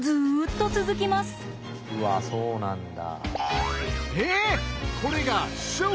うわそうなんだ。